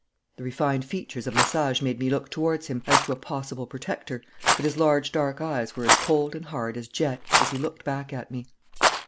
The refined features of Lesage made me look towards him as to a possible protector, but his large dark eyes were as cold and hard as jet as he looked back at me.